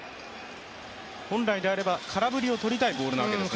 本来であれば空振りをとりたいボールなわけですね。